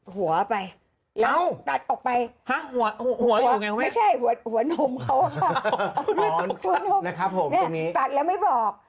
หัวหนมตัดแล้วไม่บอก